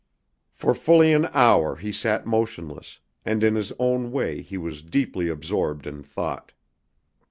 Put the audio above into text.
For fully an hour he sat motionless, and in his own way he was deeply absorbed in thought.